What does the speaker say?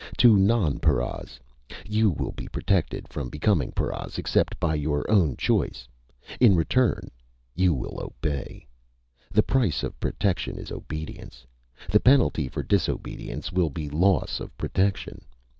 To nonparas you will be protected from becoming paras except by your own choice. In return, you will obey! The price of protection is obedience. The penalty for disobedience will be loss of protection.